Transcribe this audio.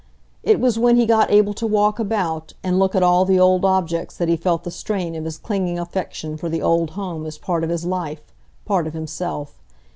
It was when he got able to walk about and look at all the old objects that he felt the strain of his clinging affection for the old home as part of his life, part of himself.